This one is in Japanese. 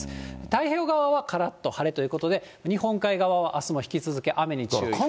太平洋側はからっと晴れということで、日本海側はあすも引き続き雨に注意です。